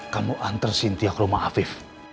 kamu antar sintia ke rumah afif